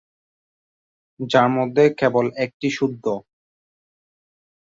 যার মধ্যে কেবল একটি শুদ্ধ।